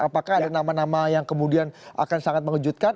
apakah ada nama nama yang kemudian akan sangat mengejutkan